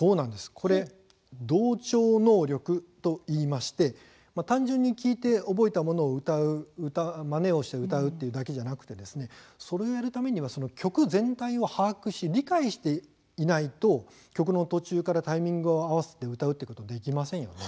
これは同調能力と言いまして単純に聴いて覚えたものをまねをして歌うだけではなくそれをやるためには曲全体を把握して理解していないと曲の途中からタイミングを合わせて歌うことはできません。